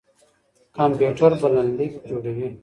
کمپيوټر بلنليک جوړوي.